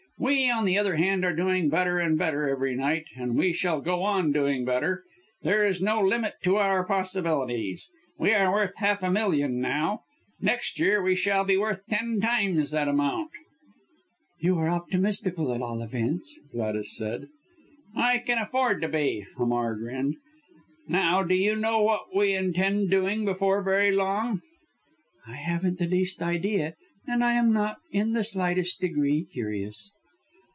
We, on the other hand, are doing better and better every night, and we shall go on doing better there is no limit to our possibilities. We are worth half a million now next year, we shall be worth ten times that amount!" "You are optimistical, at all events," Gladys said. "I can afford to be," Hamar grinned. "Now, do you know what we intend doing before very long?" "I haven't the least idea, and I am not in the slightest degree curious."